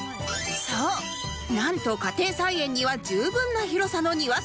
そうなんと家庭菜園には十分な広さの庭付き物件